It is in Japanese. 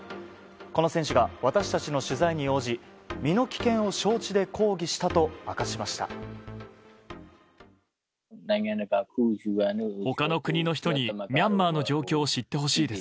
この選手が、私たちの取材に応じ身の危険を承知で抗議したと明かしました。